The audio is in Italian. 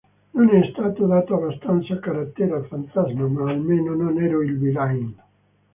Non è stato dato abbastanza carattere al fantasma, ma almeno non ero il "villain".